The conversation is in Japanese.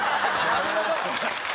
なるほど！